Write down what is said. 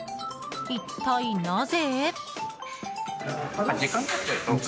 一体、なぜ？